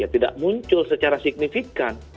tidak muncul secara signifikan